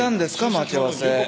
待ち合わせ。